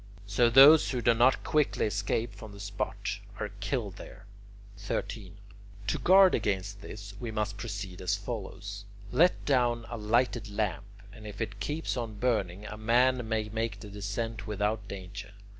So those who do not quickly escape from the spot, are killed there. 13. To guard against this, we must proceed as follows. Let down a lighted lamp, and if it keeps on burning, a man may make the descent without danger.